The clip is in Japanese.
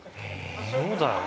そうだよね。